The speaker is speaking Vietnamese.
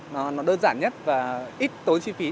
nó đơn giản nhất và ít tốn chi phí